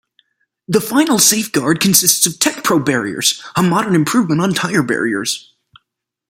The final safeguard consists of Tecpro barriers, a modern improvement on tyre barriers.